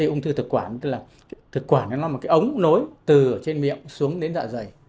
ông thư thực quản là một ống nối từ trên miệng xuống đến dạ dày